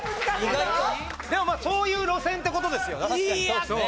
でもまあそういう路線って事ですよ。